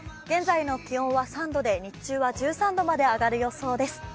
現在の気温は３度で、日中は１３度まで上がる予想です。